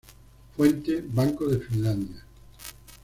Fuente: Banco de Finlandia.